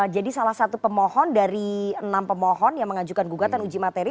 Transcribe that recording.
jadi salah satu pemohon dari enam pemohon yang mengajukan gugatan uji materi